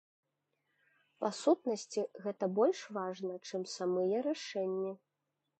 Па сутнасці, гэта больш важна, чым самыя рашэнні.